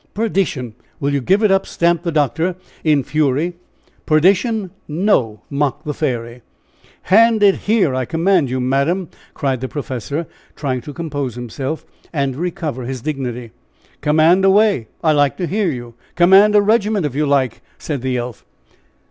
"Perdition! will you give it up?" stamped the doctor, in fury. "'Perdition,' no;" mocked the fairy. "Hand it here, I command you, madam!" cried the professor, trying to compose himself and recover his dignity. "Command away I like to hear you. Command a regiment, if you like!" said the elf.